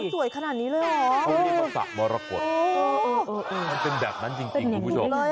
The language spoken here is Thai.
สวยขนาดนี้เลยเหรอเออเออเออเออเออเป็นแบบนั้นจริงทุกผู้ชม